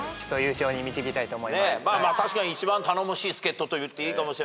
確かに一番頼もしい助っ人と言っていいかもしれません。